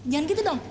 jangan gitu dong